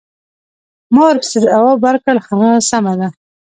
ما ورپسې ځواب ورکړ: هغه سمه ده.